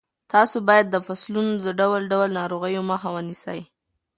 تاسو باید د فصلونو د ډول ډول ناروغیو مخه ونیسئ.